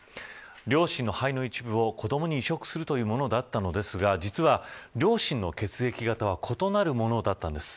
両親の肺の一部を子どもに移植するというものだったのですが実は両親の血液型は異なるものだったんです。